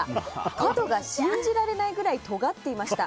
角が信じられないぐらいとがっていました。